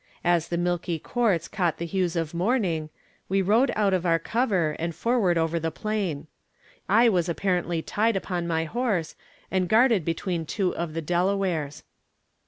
As the milky quartz caught the hues of morning, we rode out of our cover, and forward over the plain. I was apparently tied upon my horse, and guarded between two of the Delawares.